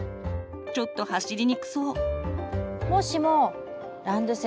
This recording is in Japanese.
ちょっと走りにくそう。